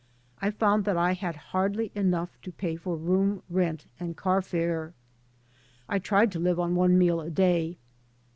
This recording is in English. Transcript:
I found that I had hardly enough to pay for room rent and car fare, I tried to live on one meal a day.